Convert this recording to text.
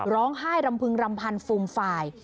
ร้องไห้รำพึงรำพันฟุมฝ่าย